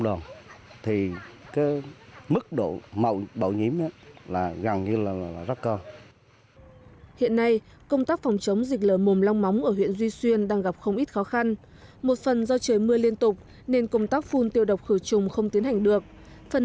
đồng thời hỗ trợ thêm lượng lớn hóa chất để địa phương thực hiện công tác vệ sinh môi trường phun tiêu độc khử trùng trên diện rộng